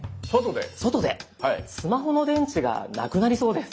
外でスマホの電池がなくなりそうです。